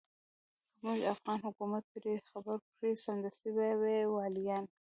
که موږ افغان حکومت پرې خبر کړ سمدستي به يې واليان کړي.